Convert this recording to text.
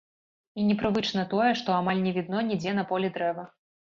І непрывычна тое, што амаль не відно нідзе на полі дрэва.